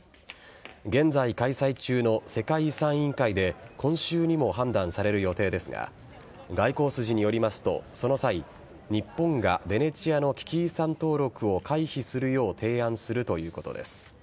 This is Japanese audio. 現在開催中の世界遺産委員会で今週にも判断される予定ですが外交筋によりますと、その際日本が、ベネチアの危機遺産登録を回避するよう提案するということです。